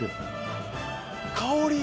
香り！